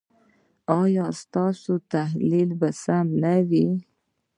ایا ستاسو تحلیل به سم نه وي؟